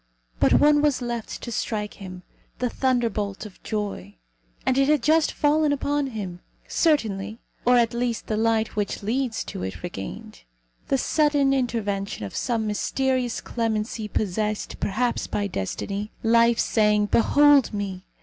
But one was left to strike him the thunderbolt of joy. And it had just fallen upon him. Certainty, or at least the light which leads to it, regained; the sudden intervention of some mysterious clemency possessed, perhaps, by destiny; life saying, "Behold me!"